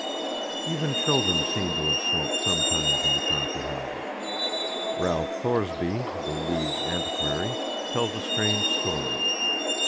Even children seem to have smoked sometimes in the coffee houses. Ralph Thoresby, the Leeds antiquary, tells a strange story.